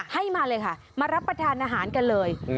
ให้มาเลยค่ะมารับประทานอาหารกันเลย